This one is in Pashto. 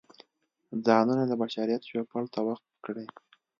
ځانونه د بشریت چوپړ ته وقف کړي.